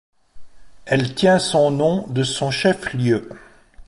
Elle tient son nom de son chef-lieu.